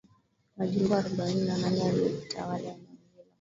majimbo arobaini na nane yanayojitawala Eneo hilo